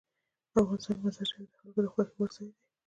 افغانستان کې مزارشریف د خلکو د خوښې وړ ځای دی.